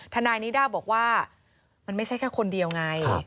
ทนายนิด้าบอกว่ามันไม่ใช่แค่คนเดียวไง